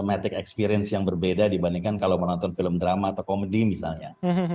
amatic experience yang berbeda dibandingkan kalau menonton film drama atau komedi misalnya